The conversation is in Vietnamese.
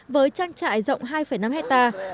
với trang trại rộng hai năm hectare